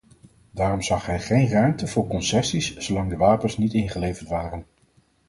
Daarom zag hij geen ruimte voor concessies zolang de wapens niet ingeleverd waren.